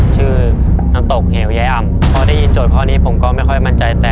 ชื่อน้ำตกเหี่ยวยายอำ